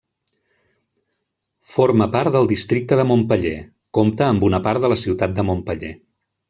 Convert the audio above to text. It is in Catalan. Forma part del districte de Montpeller, compta amb una part de la ciutat de Montpeller.